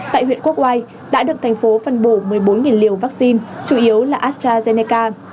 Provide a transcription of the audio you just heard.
tại huyện quốc oai đã được thành phố phân bổ một mươi bốn liều vaccine chủ yếu là astrazeneca